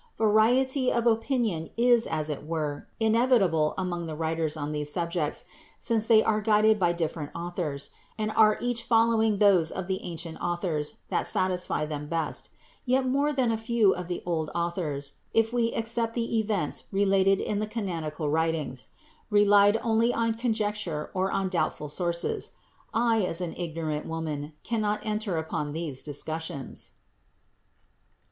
Variety of opinion is as it were inevitable among the writers on these subjects, since they are guided by dif ferent authors, and are each following those of the ancient authors that satisfy them best ; yet more than a few of the old authors (if we except the events related in the canonical writings) relied only on conjecture or on doubtful sources. I, as an ignorant woman, cannot enter upon such discussions.